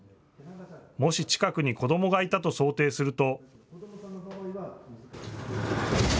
もし近くに子どもがいたと想定すると。